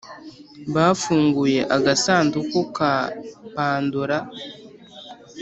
bafunguye agasanduku ka pandora